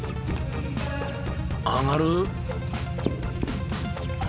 上がる？